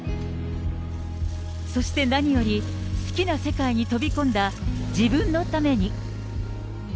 そして何より好きな世界に飛び込んだ自分のために。